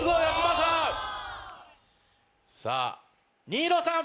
さぁ新納さん。